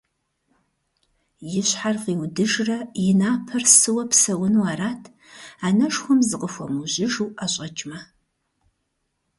И щхьэр фӀиудыжрэ и напэр сыуэ псэуну арат, анэшхуэм зыкъыхуэмыужьыжу ӀэщӀэкӀмэ.